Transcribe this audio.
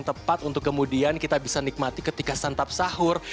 tepat untuk kemudian kita bisa nikmati ketika santap sahur